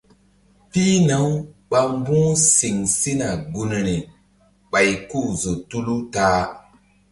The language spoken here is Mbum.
Pihna- uɓa mbu̧h siŋ sina gunri ɓay ku-u zo tulu ta-a.